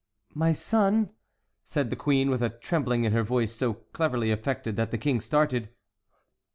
"My son," said the queen, with a trembling in her voice so cleverly affected that the King started.